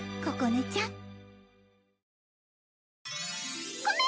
ここねちゃん